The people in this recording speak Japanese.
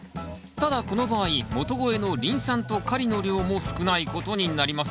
ただこの場合元肥のリン酸とカリの量も少ないことになります。